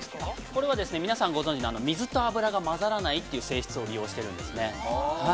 ◆これは皆さんご存じの水と油が混ざらないという性質を利用してるんですね。